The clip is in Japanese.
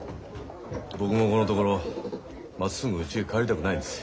僕もこのところまっすぐうちへ帰りたくないんです。